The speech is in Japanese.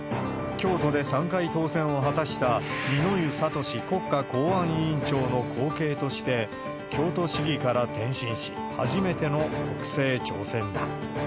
京都で３回当選を果たした、二之湯智国家公安委員長の後継として、京都市議から転身し、初めての国政挑戦だ。